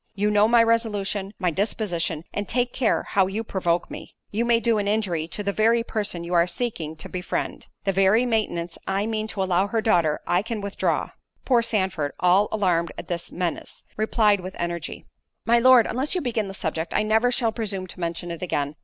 You know my resolution, my disposition, and take care how you provoke me. You may do an injury to the very person you are seeking to befriend—the very maintenance I mean to allow her daughter I can withdraw." Poor Sandford, all alarmed at this menace, replied with energy, "My Lord, unless you begin the subject, I never shall presume to mention it again."